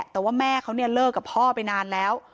แต่ว่าแม่เขาเนี่ยเลิกกับพ่อไปนานแล้ว